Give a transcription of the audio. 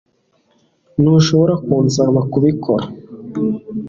ntushobora kunsaba kubikora